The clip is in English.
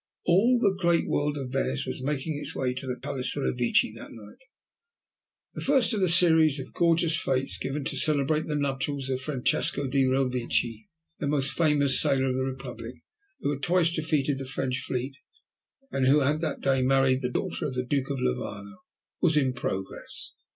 All the Great World of Venice was making its way to the Palace Revecce that night. The first of the series of gorgeous fêtes given to celebrate the nuptials of Francesco del Revecce, the most famous sailor of the Republic, who had twice defeated the French fleet, and who had that day married the daughter of the Duke of Levano, was in progress.